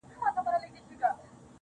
دا چي دي شعرونه د زړه جيب كي وړي.